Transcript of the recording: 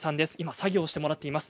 作業してもらっています。